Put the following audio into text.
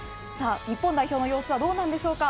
日本代表の様子はどうなんでしょうか。